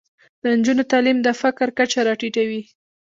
د نجونو تعلیم د فقر کچه راټیټوي.